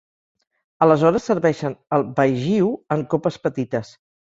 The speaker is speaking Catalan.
Aleshores serveixen el baijiu en copes petites.